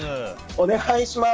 お願いします。